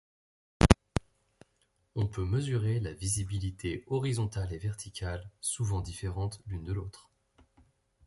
On peut mesurer la visibilité horizontale et verticale, souvent différentes l'une de l'autre.